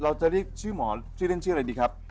เราจะเรียกชื่อหมอชื่อเล่นชื่ออะไรดีครับ